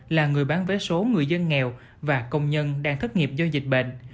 là người bán vé số người dân nghèo và công nhân đang thất nghiệp do dịch bệnh